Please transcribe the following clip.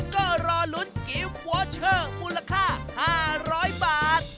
ก็รอลุ้นกิฟต์วอเชอร์มูลค่า๕๐๐บาท